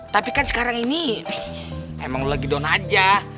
tapi kan sekarang ini nih emang lo lagi down aja